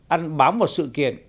ăn bám vào sự kiện